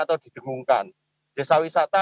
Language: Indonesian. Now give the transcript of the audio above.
atau didengungkan desa wisata